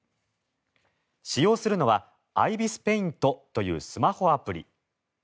使用するのはアイビスペイントというスマホアプリ。